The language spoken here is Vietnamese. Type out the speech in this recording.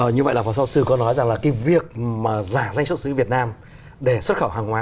như vậy là phó giáo sư có nói rằng là cái việc mà giả danh xuất xứ việt nam để xuất khẩu hàng hóa